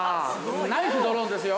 ◆ナイスドローンですよ。